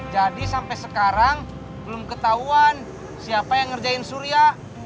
jadi sampai sekarang belum ketahuan siapa yang ngerjain surya